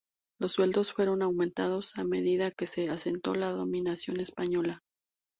Los sueldos fueron aumentados a medida que se asentó la dominación española.